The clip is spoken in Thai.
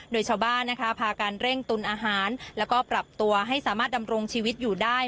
โดยชาวบ้านนะคะพาการเร่งตุนอาหารแล้วก็ปรับตัวให้สามารถดำรงชีวิตอยู่ได้